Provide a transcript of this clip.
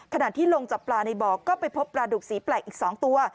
ขณะที่ลงจับปลาในบ่อก็ไปพบปลาดุกสีแปลกอีก๒ตัว